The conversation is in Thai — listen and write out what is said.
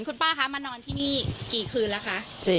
คุณป้าคะมานอนที่นี่กี่คืนแล้วคะ